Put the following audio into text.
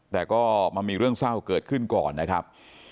แต่ก็มามีเรื่องเศร้าเกิดขึ้นก่อนนะครับ